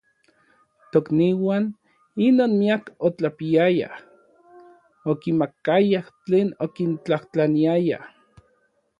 Tokniuan inon miak otlapiayaj, okimakayaj tlen okintlajtlaniaya.